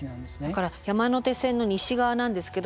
だから山手線の西側なんですけど